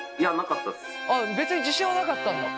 あ別に自信はなかったんだ？